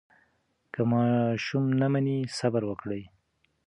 که ماشوم نه مني، صبر وکړئ.